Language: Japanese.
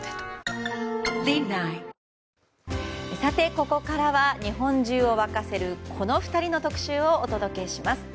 ここからは日本中を沸かせるこの２人の特集をお届けします。